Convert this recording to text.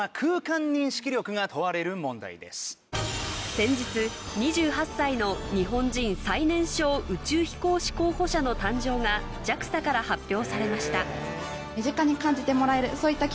先日２８歳の日本人最年少宇宙飛行士候補者の誕生がＪＡＸＡから発表されました